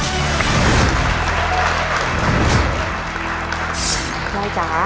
คุณยายแจ้วเลือกตอบจังหวัดนครราชสีมานะครับ